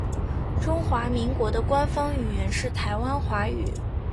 中华民国的官方语言是台湾华语。